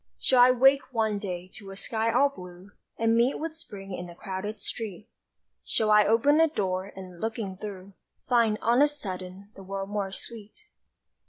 Shall I wake one day to a sky all blue And meet with Spring in a crowded street? Shall I open a door and, looking through, Find, on a sudden, the world more sweet?